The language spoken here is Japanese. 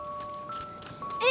え⁉